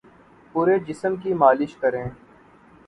پورے جسم کی مالش کریں